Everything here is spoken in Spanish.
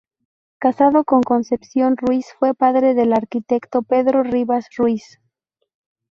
Casado con Concepción Ruiz, fue padre del arquitecto Pedro Rivas Ruiz.